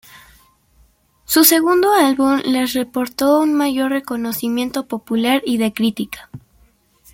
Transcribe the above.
Su segundo álbum les reportó un mayor reconocimiento popular y de crítica.